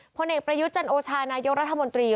พลเอกประยุจรรย์โอชานายกรรธมนตรี